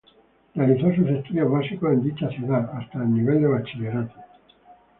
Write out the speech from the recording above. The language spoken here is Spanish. Realizó sus estudios básicos en dicha ciudad hasta el nivel de bachillerato.